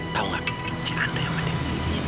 tau gak sih si andri sama dia